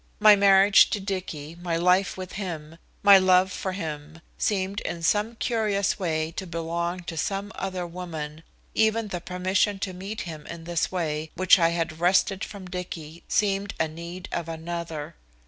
My marriage to Dicky, my life with him, my love for him, seemed in some curious way to belong to some other woman, even the permission to meet him in this way, which I had wrested from Dicky, seemed a need of another.